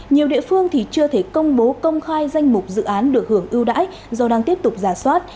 nhiều địa phương thì chưa thể công bố công khai danh mục dự án được hưởng ưu đãi do đang tiếp tục giả soát